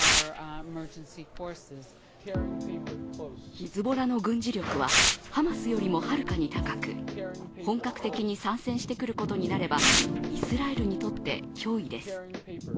ヒズボラの軍事力はハマスよりもはるかに高く、本格的に参戦してくることになればイスラエルにとって脅威です。